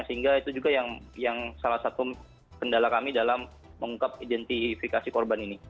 sehingga itu juga yang salah satu kendala kami dalam mengungkap identifikasi korban ini